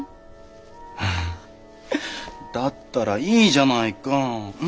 だったらいいじゃないか。